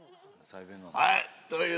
はい。